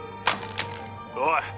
おい！